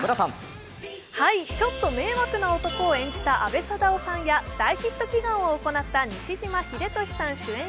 ちょっと迷惑な男を演じた阿部サダヲさんや大ヒット祈願を行った西島秀俊さん主演